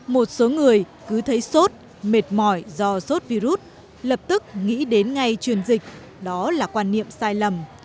một số người cứ thấy sốt mệt mỏi do sốt virus lập tức nghĩ đến ngay truyền dịch đó là quan niệm sai lầm